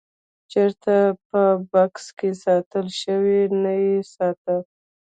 چېرته په بکس کې ساتلی شوو نه یې ساته.